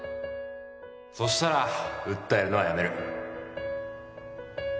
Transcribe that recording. そしたら訴えるのはやめる